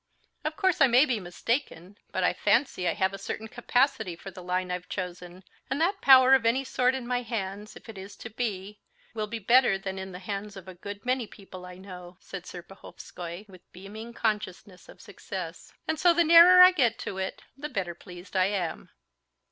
Of course I may be mistaken, but I fancy I have a certain capacity for the line I've chosen, and that power of any sort in my hands, if it is to be, will be better than in the hands of a good many people I know," said Serpuhovskoy, with beaming consciousness of success; "and so the nearer I get to it, the better pleased I am."